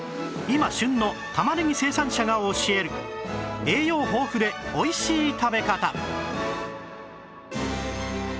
今旬の玉ねぎ生産者が教える栄養豊富でおいしい食べ方